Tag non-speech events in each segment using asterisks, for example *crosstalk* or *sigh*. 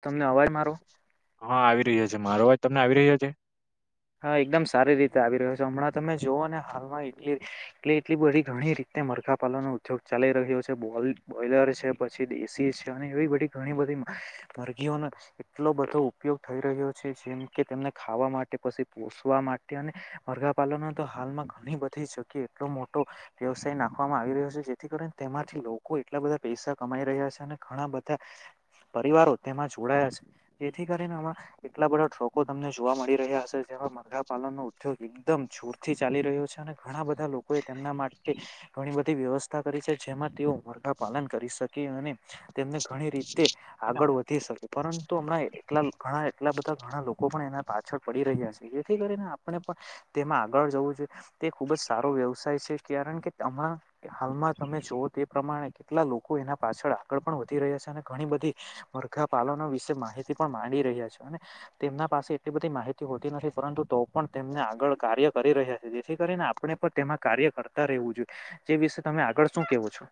તમને અવાજ મારો. હા આવી રહ્યો છે મારો વાત તમને આવી રહ્યો છે? હા એકદમ સારી રીતે આવી રહ્યો છે. હમણાં તમે જુઓ ને હાલમાં એટ એટલી બધી ઘણી રી મરઘાં પાલનનો ઉદ્યોગ ચાલી રહ્યો છે, બોયલર છે પછી દેશી છે અને એવી બધી ઘણી બધી મરગીયો નો એટલો બધો ઉપયોગ થઈ રહ્યો છે, જેમ કે તેમને ખાવા માટે પછી. પોસવા માટે અને મરઘા પાાલનનો તો હાલમાં ઘણી બધી જગ્યાએ એટલો મોટો વ્યવસાય નાખો. વામાં આવી રહ્યો છે જેથી કરીને તેમાંથી લોકો એટલા બધા પૈસા કમાઈ રહ્યા છે, અને ઘણા બધા પરિવારો તેમાં જોડાયા છે, જેથી કરીને આમાં એટલા બધા ટ્રોકો તમને જોવા મળી રહ્યા હશે. જે મરઘા પાલન નો ઉદ્યોગ એકદમ જોર થી ચાલી રહ્યો છે અને ઘણા બધા લોકો એ તેમના માટે ઘણી બધી વ્યવસ્થા કરી છે જેમાં તેઓ મરખા પાલન કરી શકે અને તેમને ઘણી રીતે બટ આગળ વધી શકે પરંતુ હમણાં એલા ઘણા એટલા બધા ઘણા લોકો પણ એના પાછળ પડી રહ્યા છે જેથી કરીને આપણે પણ તેમાં આગળ જવું જોઈએ તે ખુબ જ સારો વ્યવસાય છે કારણ કે હાલમાં તમે જોવોઓ તે પ્રમાણે કેટલા લોકો એના પાછળ આગળ પણ વધી રહ્યા છે અને ઘણી બધી મરઘા પાલન વિશે માહિતી પણ માંડી રહ્યા છે અને તેમના પાસે એટલી બધી માહિતી હોતી નથી પરંતુ તો પણ તેમને આગળ કાર્ય કરી રહ્યા છે જેથી કરીને આપણે પણ તેમાં કાર્ય કરતા રહેવું જોઈએ જે વિશે તમે આગળ શું કેવો છો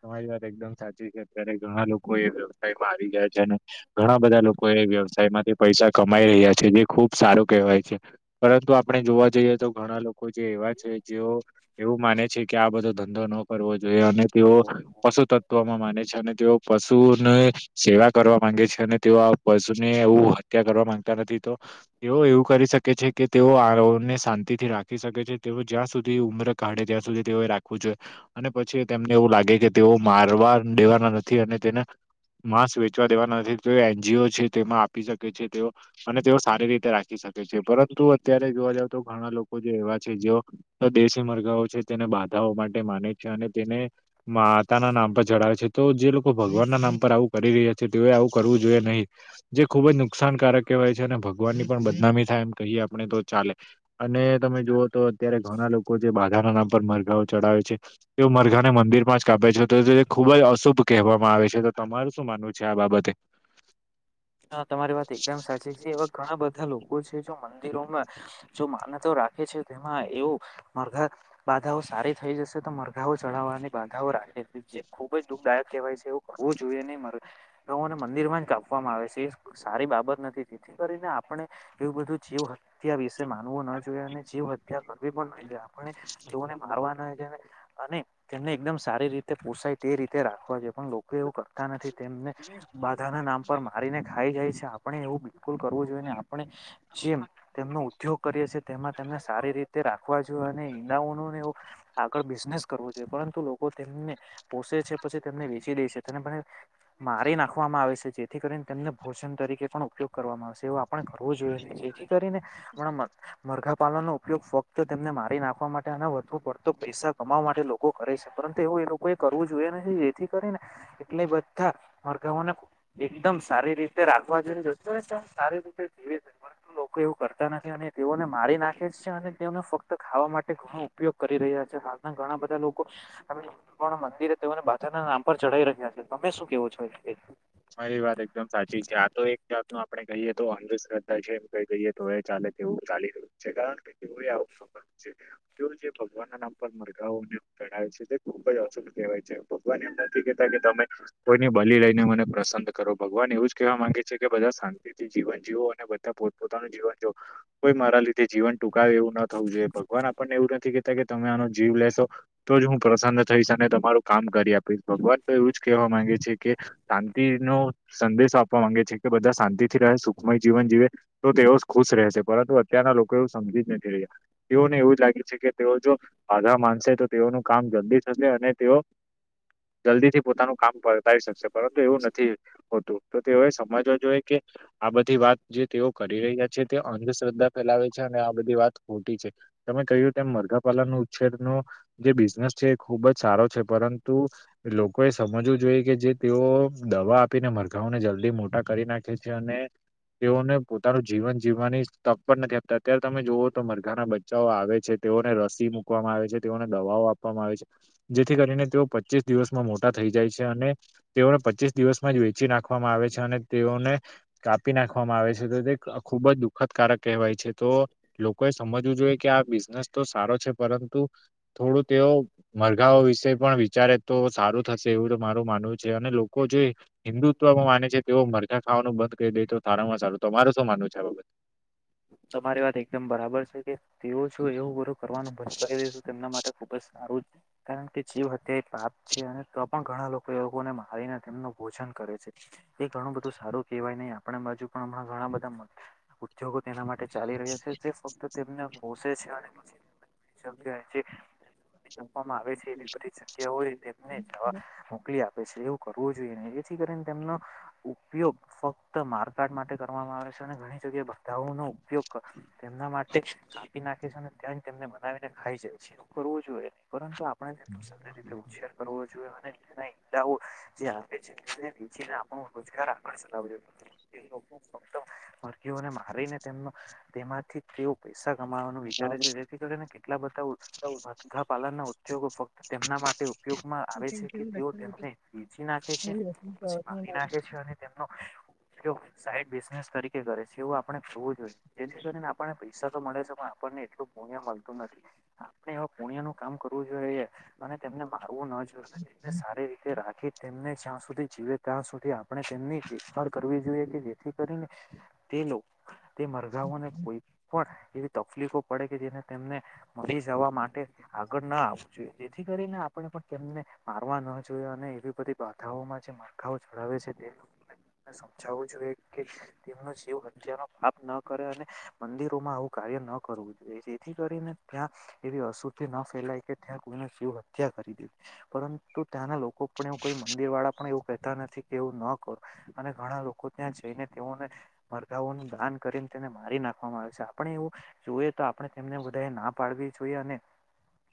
તમારી વાત એકદમ સાચી છે અત્યારે ઘણા લોકો એ વ્યવસાયમાં આવી ગયા છે અને ઘણા બધા લોકો એ વ્યવસાયમાંથી પૈસા કમાઈ રહ્યા છે જે ખુબ સારું કહેવાય છે પરંતુ આપણે જોવા જઈએ તો ઘણા લોકો જે એવા છે જે એવું માને છે કે આ બધો ધંધો ન કરવો જોઈએ અને તેવો તો પશુ તત્વમાં માને છે અને તેઓ પશુ પશુને સેવા કરવા માંગે છે અને તેઓ પશુ ને એવું હત્યા કરવા માંગતા નથી તો એવો એવું કરી શકે છે કે તેઓ આ *unintelligible* શાંતિથી રાખી શકે છે તેઓ જ્યાં સુધી ઉમર કાઢે ત્યાં સુધી તેઓ રાખવું જોઈ અને પછી તેમને એવું લાગે કે તેઓ મારવા દેવાના નથી અને તેને માસં વેચવા દેવા નથી તે એનજીઓ છે તેમાં આપી શકે છે તેઓ અને તેઓ સારી રીતે રાખી શકે છે પરંતુ અત્યારે જોવા જાવ તો ઘણા લોકો જે એવા છે જે દેશી મરગાઓ છે તેને બહાર માધાઓ માટે માને છે અને તેને માતા ના નામ પર ચડાવે છે તો જે લોકો ભગવાન ના નામ પર આવું કરી રહ્યા છે તેઓએ આવું કરવું જોઈએ નહીં જે ખુબ જ નુકસાનકારક ય ભગવાન ની પણ બદનામી થાય એમ કહીએ આપણે તો ચાલે અને તમે જુઓ તો અત્યારે ઘણા લોકો જે બાધાના નામ પર મરઘાઓ ચડાવે છે તે મરઘાને મંદિર માસ કાપે છે તો તે ખુબ જ અશુભ કહેવામાં આવે છે તો તમાર શું માનવું છે આ બાબતે હ તમારી વાત એકદમ સાચી છે એવા ઘણા બધા લોકો લોકો છે મંદિરોમાં માનતા રાખે છે તેમાં મરઘા બાધા સારી થઈ જશે તો મરઘાઓ ચડાવવા અને બાધાઓ રાખે ખુબ જ દુઃખદાયક કહેવાય છે એવું હોવું જોઈએ નહી ન મરઘાં તેઓ ને મંદિર મા કાપ આપવામાં આવે છે એ સારી બાબત નથી જેથી કરીને આપણે એવું બધું જીવ હત્યા વિશે માનવું ના જોઈએ અને જીવ હત્યા કરવી પણ ન જોઈએ આપને જેઓને મારવા નાઈએ અને તેમને એકદમ સારી રીતે પોસાય તે રીતે રાખવા જોયે પણ લોકો એવું કરતા નથી તેમને બાધાના નામ પર મારીને ખાઈ જાય છે આપણે એવું બિલકુલ કરવું જોઈએને આપણે જેમ તેમનો ઉદ્યોગ કરીએ છે તેમાં તને સારી રીતે રાખવા જો અને ઈડાઓનું એવું આગળ બિઝનેસ કરવું જોઈએ પરંતુ લોકો તેમને પોષે છે પછી તેમને વેચી દે છે તેને પછી મારી નાખવામાં આવે છે જેથી કરીને તેમને ભોજન તરીકે પણ ઉપયોગ કરવામાં આવે છે એવું આપણે કરવું જોઈએ જેથી કરીને હમણા મરઘા પાલનનો ઉપયોગ ફક્ત તેમને મારી નાખવા માટે અને વધુ પડતો પૈસા કમાવવા માટે લોકો કરે છે પરંતુ એવું એ લોકોએ કરવું જોઈએ નથી જેથી કરીને એટલે બધા મરઘા ઓને એકદમ સારી રીતે રાખવા જોઈ જતયમ સારી રીતે *unintelligible* લોકો એવું કરતા નથી અને તેઓને મારી નાખે જ છે અને તેઓને ફક્ત ખાવા માટે ઘણો ઉપયોગ કરી રહ્યા છે હાલના ઘણા બધા લોકો મંદિરે તેઓને બાધા નામ પર ચઢી રાખીયા છે તમે શું કેવો *unintelligible* તમારી વાત એકદમ સાચી છે આ તો એક જાતનો આપડણે કહીએ કો તો અંધશ્રદ્ધા છે એમ કહી દીયે તો એ ચાલે તેવું ચાલી રહ્યું છે કારણ કે તે આવ છે તે જે ભગવાનના નામ પર મરઘાઓને જણાવે છે તે ખુબ જ અચૂક કહેવાય છે ભગવાનને અમંદરથી તમે કોઈની ભલી લઈને મને પ્રસન કરો ભગવાન એવું જ કહેવા માંગે છે કે બધા શાંતિથી જીવન જીવો અને બધા પોત પોતાનું જીવન જીવો કોઈ મારા લીધે જીવન ટૂકાવે એવું ન થવુંઈએ ભગવાન આપણને એવું નથી કે કે તમે આનો જીવ લેશો તો જ હું પ્રસન્ન થઈશ અને તમારું કામ કરી આપીશ ભગવાન તો એવું જ કહો માંગે છે કે સંદેશો આપવા માંગે છે કે બધા શાંતિથી રહે સુખમય જીવન જીવે તો તેઓ ખુશ રહેશે પરંતુ અત્યારના લોકો એવું સમજી જ નથી રહ્યા તેઓને એવું લાગે છે કે તેઓ જો આધા માનશે તો તેઓનું કામ જલ્દી થશે અને તેઓ જલ્દી થી પોતાનું કામ પરતાવી શકશે પરંતુ એવું નથ જ તો તેઓએ સમજવ જોઈએ કે આ બધી વાત જે તેઓ કરી રહ્યા છે તે અંધશ્રદ્ધા બધત ખોટી છે તમે કહ્યું તેમ મરઘાપલન ન ઉછેદ ન જે બિનેસ છે ખુબ જ સારો છે પરંતુ લોકો એ સમજવું જોઈએ કે જે તેઓ દવા આપીને મરઘાઓને જલ્દી મોટા કરી નાખે છે અને તેઓને પોતાનું જીવન જીવવાની તક પણ નથી આપતા અત્યારે તમે જુઓ તો મરઘાના બચ્ચાઓ આવે છે તેઓને રસી મુૂકવામાં આવે છે તેઓને દવાઓ આપવામાં આવે છે જેથી કરીને તેઓ પચીસ દિવસમાં મોટા થઈ જાય છે અને તેઓને પચીસ દિવસ જ વેચી નાખવામાં આવે છે અને તેઓને કાપી નાખવામાં આવે છે તો તે ખૂબ જ દુઃખદ કાર કવાય છે તો લોકોએ સમજવું જોઈએ કે આ બિઝનેસ તો સારો છે પરંતુ થોડું તેઓ મરઘાઓ વિશે પણ વિચારે તો સારું થશે એવું મારું માનવું છે અને લો લોકો જે હિન્દુત્વમાં માને છે તેઓ મરઘા ખાવાનું બંધ કે દે તો સારું તો તમારે શું માનવું છે આ બાબત તમારી વાત એકદમ બરાબર છે કે તેવ છું એવું કરવાનું બચાવી તેમના માટે ખુબ જ સારું કારણ કે જીવ હતીયા એ પાપ છે અને તો પણ ઘણા લોકો એ લોકોને મારીને તેમનું ભોજન કરે છે એ ઘણું બધું સારું કેવાય નહી આપણે બાજુ પણ હમણાં ઘણા બધા ઉદ્યોગો તેના માટે ચાલી રહ્યા છે જે ફક્ત તેમનો બસે છે એ સબીજો કયાહે ઠી જે છે વામાં આવે છે એવી બધી જગ્યા હોયને જવા મોકલી આપે એવું કરવું જોઈએને એથી કરીને તેમનો ઉપયોગ ફક્ત મારકાટ માટે કરવામાં આવે છે ઘણી જગ્યા ધાવો નો ઉપયોગ તેમના માટે કાપી નાખે છે અને ત્યાં તેમને બનાવીને ખાઈ જાય છે જોઈએ ન પરંતુ આપણે સારી રીતે ઉછેર કરવો જોઈએ અને હ જે આપે છે તેને નીચને આપણો રોજગાર આપણે ચલાવ્યો એ ફક્મ મર્ગીયોને મારીને તેમનો તેમાંથી તેવ પેસા કમાવાનું વિચારે છે જેથી કરીને કેટલા બધા અધગા પાલન ના ઉદ્યોગો ફક્ત તેમના માટે તે ઉપયોગમાં આવે છે કે તેઓ તેમને વેચી નાખે છે પછી મારી નાખે છે અને તેમનો તેઓ સાઈડ બિઝનેસ તરીકે કરે છે એવું આપણે થવું જોઈએ જેથી કરીને આપણે પૈ સા તો મળે છે પણ આપણને એટલું પુણ્ય મળતું નથી આપણે એવો પુણ્યનું કામ કરવું જોઈએ અને તેમને મારવુંન જોએ અને તેને સારી રીતે રાખી તેમને જ્યાં સુધી જીવે ત્યાં સુધી આપણે તેમની દેખભાળ કરવી જોઈએ કે જેથી કરીને તે લો તે મરઘાવઓને કોઈ પણ એવી તફલીફો પડે કે જેને તેમને મરી જવા માટે આગળ ના આવવું જોઈએ જેથી કરીને પણ પણ તેમને મારવા ન જોઈએ અને એવી બધી બાધાઓમાં જે માળખાઓ ચડાવે છે તે સમજાવવું જોઈએ કે તેમનો જીવ હત્યાંમાં આપ ન કરે અને મંદિરોમાં આવું કાર્ય ન કરવું જોઈએ જેથી કરીને ત્યાં એવી અસુ *unintelligible* ન ફેલાય કે ત્યાં કોઈનો જીવ હત્યા કરી દે પરંતુ ત્યાંના લોકો પણ એઉ કોઈ મંદિર વાળા આપણે એવું કહેતા નથી કે એવું ન કરું અને ઘણા લોકો ત્યાં જઈને તેઓને મરઘાંવોની દાન કરીને તેને મારી નાખવામાં આવે છે આપણે એવું જોઈએ તો આપણે તેમને બધાએ ના પાડવી જોઈએ અને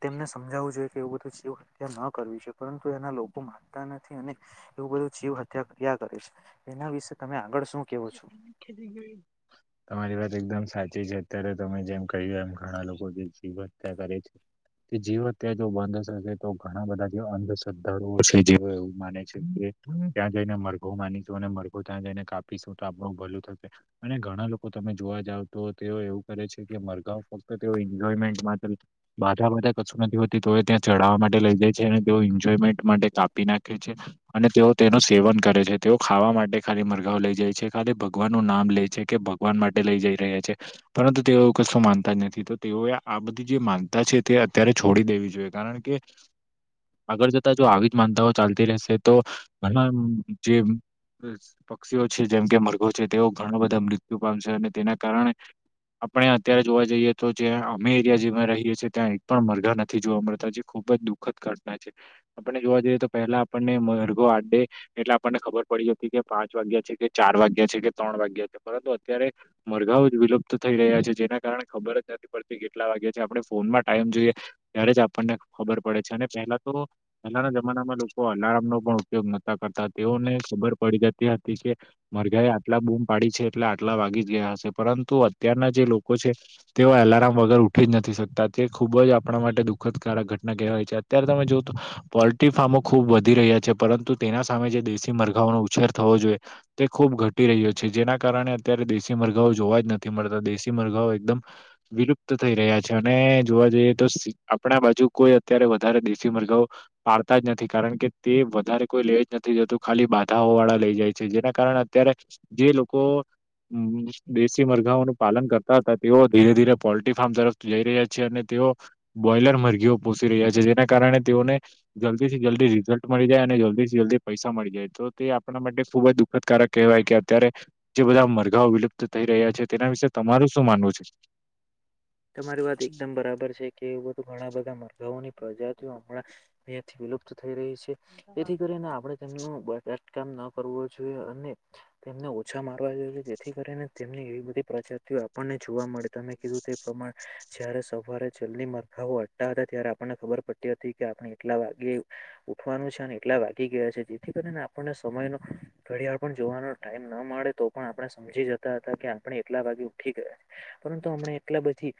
તેમને સમજાવવું જોઈએ કે એવું બધું જીવ હત્યા ન કરવી છે પરંતુ એના લોકો માનતા નથી અને એટલું બધું જીવ હત્યા કર્યા કરે છે એના વિશે તમે આગળ શું કેવો એ છો એમની ખેતી જોઈ તમારી વાત એકદમ સાચી છે અત્યારે તમે જેમ કહ્યું એમ ઘણા લોકો જે જીવ હત્યાં કરે છે. તે જીવ હત્યા જો બંધ થશે તો ઘણા બધા જે અંધશ્રદ્ધાળુઓ છે જે એવું માને છે કે ત્યાં જઈને મરઘો માનીશું અને મરઘો ત્યાં જઈને કા પી સુ ટા આપણું ભલું થશે અને ઘણા લોકો તમે જોવા જાવ તો તેઓ એવું કરે છે કે મરઘાઓ ત તેઓ એન્જોયમેન્ટ માત્ર બાધા બાધા કશું નથી હોતી તો એ ત્યાં ચઢાવવા માટે લઈ જાય છે અને તેઓ ઈનજો પેમેન્ટ માટે કાપી નાખે છે અને તેઓ તેનું સેવન કરે છે તેઓ ખાવા માટે ખાલી મરઘાઓ લઇ જાય છે ખાલી ભગવાન નું નામ લે છે કે ભગવાન માટે લઈ જઈ રહ્યા છે પરંતુ તેઓ કશું માનતા જ નથી. ઈ તો તેઓએ આ બધી જે માનતા છે તે અત્યારે છોડી દેવી જોઈએ કારણ કે આગળ જતા જો આવી જ માનતાઓ ચાલતી રહેશે તો ઘણા જે બસ પક્ષીઓ છે જેમ કે મર્ઘો છે તેઓ ઘણા બધા મૃત્યુ પામશે અને તેના કારણે આપણે અત્યારે જોવા જઈએ તો જે અમે એરિયા જેમાં રહીએ છીએ ત્યાં એક પણ મરઘા નથી જોવા મળતા જે ખુબ ખૂબ જ દુઃખદ ઘટના છે આપને જોવા જઈએ તો પહેલા આપણને મરઘો આડે એટલે આપણને ખબર પડી *unintelligible* કે પાંચ વાગ્યા છે. કે ચાર વાગ્યા છે કે ત્રણ વાગ્યા છે પરંતુ અત્યારે મરઘાઓ જ વિલુપ્ત થઈ રહ્યા છે જેના કારણે ખબર જ અત્યારથી *unintelligible* કેટલા વાગ્યા છે આપણે ફોનમાં ટાઈમ જોઈએ ત્યારે જ આપણને ખબર પડે છે અને પહેલા તો પહેલાના જમાનામાં લોકો અલાર્મનો પણ ઉપયોગ નતા કરતા તેઓને ખબર પડી જતી હતી કે મરઘા એ આટલા બૂમ પાડી છે એટલે આટલા વાગી જ ગયા હશે પરંતુ અત્યારના જે લોકો છે તેઓ અલાર્મ વગર ઉઠી જ નથી શકતા તે ખુબ જ આપણા માટે દુઃખદકારક ઘટના કહેવાય છે અત્યારે તમે જો તો પોલ્ટ્રી ફાર્મો ખૂબ વધી રહ્યા છે પરંતુ તેના સામે જે દેશી મરઘાઓનો ઉછેર થવો જોઈએ તે ખૂબ ઘટી રહ્યો છે જેના કારણે અત્યારે દેશી મરઘાંઓ જોવા જ નથી મળતા દેશી મરઘાઓ એકદમ વિલુપ્ત થઈ રહ્યા છે અને જોવા જઈએ તો સી આપણા બાજુ કોઈ અત્યારે વધારે દેશી મરઘાઓ પાડતા જ નથી કારણ કે તે વધારે કોઈ લે જ નથી જતું ખાલી બાધાઓ વાળા લઈ જાય છે જેને કારણ અત્યારે જે લોકો ઉમ્મ દેશી મરઘાઓનું પાલન કરતા હતા તેઓ ધીરે ધીરે પોલ્ટ્રી ફાર્મ તરફથી જઈ રહ્યા છે અને તે તેઓ બોઈલર મરઘીઓ પોષી રહ્યા છે જેના કારણે તેઓને જલ્દીથી જલ્દી રિઝલ્ટ મળી જાય અને જલ્દીથી જલ્દી પૈસા મળી જાય તો તે આપણા માટે ખુબ જ દુ ખદકારક કહેવાય કે અત્યારે જે બધા મરઘાઓ વિલુપ્ત થઈ રહ્યા છે તેના વિશે તમારું શું માનવું છે? તમારી વાત એકદમ બરાબર છે. કે એવું તો ઘણા બધા મરઘાની પ્રજાતિઓ હમણાંથી વિલુપ્ત થઇ રહી છે જેથી કરીને આપણે તેમનું બધા કામ ન કરવો જોઈએ અને તેમને ઓછા મારવા જોઈએ જેથી કરીને તેમને એવી બધી પ્રજાતિઓ આપણને જોવા મળે તમે કીધું જ્યારે સવારે જલ્દી મરઘાઓ હટતા હતા ત્યારે આપણને ખબર પડતી હતી કે આપણે એટલા વાગ્યે ઉઠવાનું છે, અને એટલા વાગી ગયા છે, જેથી કરીને આપણને સમય ન ઘડિયાળ પણ જોવાનો ટાઈમ ન મળે તો પણ આપણે સમજી જતા હતા કે આપણે એટલા વાગે ઉઠી ગયા પરંતુ હમણે થી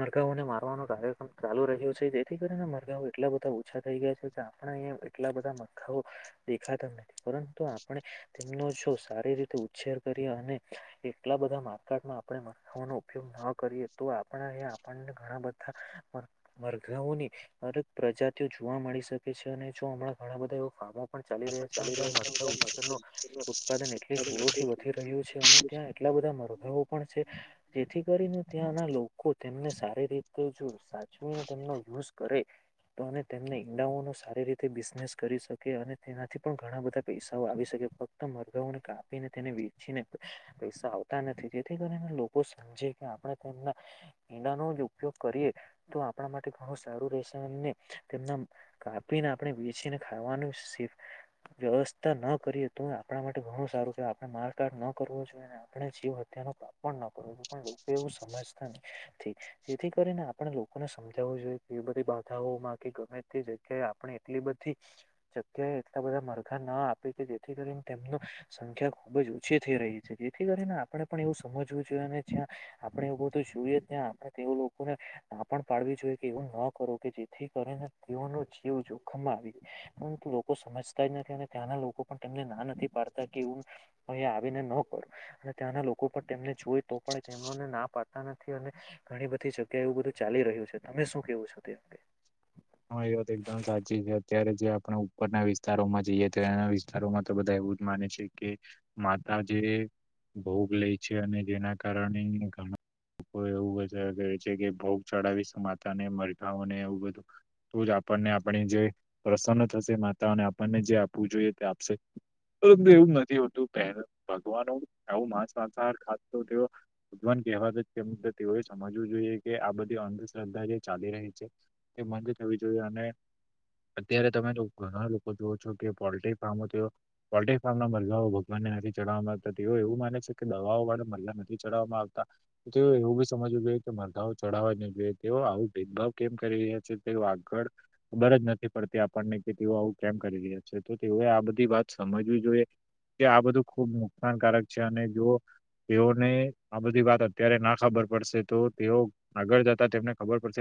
મરઘાંઓને મારવાનો કાર્યક્રમ ચાલુ રહ્યો છે, જેથી કરીને મરઘાંઓ એટલા બધા ઓછા થઈ ગયા છે, કે આપણે અહીંયા એટલા બધા મરઘાઓ દેખાતા નથી પરંતુ આપણે તેમનો જો સારી રીતે ઉછેર કરીએ અને એટલા બધા માર્કેટમાં આપણે મરઘાંઓનો ઉપ યોગ ન કરીએ તો આપણા એ આપણને ઘણા મરઘાંઓની અન પ્ર જાતિઓ જોવા મળી શકે છે, અને જો હમણાં ઘણા બધા એવ કામો પણ ચાલી રહ્યા છે, જ્યા મરઘાં ઉછેરનો ઉત્પાદન એટલી જોરોથી વધી રહ્યું છે, અને ત્યાં એટલા બ ધાં મરઘાઓ પણ છે, જેથી કરીને ત્યાંના લોકો તેમને સારી રી તે જો સાચવીને તેમનો યુઝ કરે તો અને તેમને ઈંડાઓ નો સારી રીતે બિઝનેસ કરી શકે અને તેનાથી પણ ઘણા બધા પૈસાઓ આવી શકે ફક્ત મરગાઓને કાપીને તેને વેચીને પૈસા આવતા નથી જેથી કરીને લોકો કોસ જે કે આપણે તેમના ઈંડાનો ઉપયોગ કરીએ તો આપણા માટે ઘણું સારું રહેશે તેમને તેમના કાપીને આપણે વેચીને ખાવાનું શી વ્યવસ્થા ન કરીએ તો આપણા માટે ઘણું સારું જો આપણે મારકાટ ન કરવો જોઈએને આપણે જીવ હત્યાનો પાપ પણ ન પરંતુ લોકો એવું સમજતા થી જેથી કરીને આપણે લોકોને સમજાવવું જોઈએ એ બધી બા કે ગમે તે જગ્યાએ આપણે એટલી બધી જગ્યાએ એટલા બધા મરઘા ના આપી જેથી કરીને તેમનું સંખ્યા ખુબ જ ઓછી થઈ રહી છે, જેથી કરીને આપડણે પણ એવું સમજવું જ્યા આપણે એવું બધું જોઈએ ત્યા આપ તે લોકોને ના પણ પાડવી જોઈએ કે એવું ન કર જેથી કરીને તેઓનો જીવ જોખમમાં આવી પરંતુ લોકો સમજતા જ નથી અને ત્યાંના લો કો તેમને ના નથી પાડતા કે હું અહી આવીને ન કરું અને ત્યાંના લોકો પણ તેમને જોઈ તો પણ તેમનોને ના પાડતા નથી અને ઘણી બધી જગ્યાએ એવું બધું ચાલી રહ્યું છે, તમે શું કેવું છો તે? *unintelligible* હ એ વાત એકદમ સાચી છે, અત્યારે જે આપણે ઉપરના વિસ્તારોમાં જઈએ તો એના વિસ્તારોમાં તો બધા એવું જ માને છે, કે માતા જે ભોગ લેય છે, અને જેના કારણે ઘણા લોકો એવું વધારે કરે છે કે ભોગ ચડાવીસ માતાને મરઘાને એવું બધું તો જ આપણને આપણી જે પ્રસન્ન થશે માતાઓને આપણને જે આપવું જોઈએ તે આપશે. પરંતુ એવું નથી હોતું પ ભગવાન આવું માંસ વાસહાર ખાધતો તેઓ ભગવાન કહેવાત તેમ તેઓએ સમજવું જોઈએ કે આ બધી અંધશ્રદ્ધા જે ચાલી રહી છે. તે બંધ થવી જોઈએ અને અત્યારે તમે તો ઘણા લોકો જોવો છો કે પોલ્ટ્રી ફાર્મો પોલ્ટ્રી ફાર્મ ના મરગાંઓ ભગવાન નથી ચડવામાં આવતા તેઓ એવું માને છે, કે દવાઓ વાળે મરઘા નથી ચડવામાં આવતા તેઓ એવું બી સમજ જો કે મરઘાઓ ચઢાવવા જોઈએ તે આવું ભેદભાવ કેમ કરી તે આગળ ખબર જ નથી પડતી આપણને કે તેઓ આવું કેમ કરી રહ્યા છે, તો તેઓ આ બધી વાત સમજવી જોઈએ કે આ બધું ખુબ નુકસાનકારક છે અને જો તેઓને આ બધી વાત અત્યારે ના ખબર પડશે તો તેઓ આગળ જતા તેમને ખબર પડશે